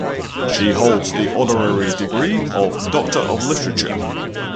She holds the honorary degree of Doctor of Literature.